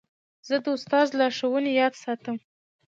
زه د استاد لارښوونې یاد ساتم.